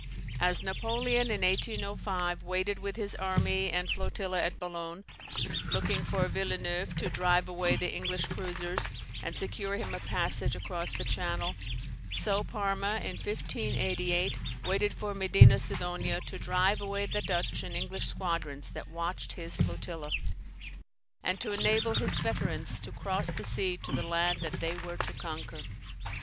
As Napoleon, in 1805, waited with his army and flotilla at Boulogne, looking for Villeneuve to drive away the English cruisers, and secure him a passage across the Channel, so Parma, in 1588, waited for Medina Sidonia to drive away the Dutch and English squadrons that watched his flotilla, and to enable his veterans to cross the sea to the land that they were to conquer.